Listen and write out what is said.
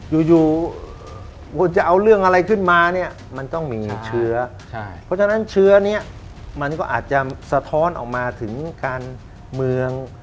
อยู่จะเอาเรื่องอะไรขึ้นมามันต้องมีเชื้อ